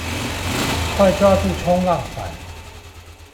快抓住衝浪板